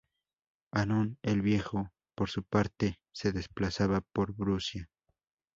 Hannón el Viejo por su parte se desplazaba por Brucia.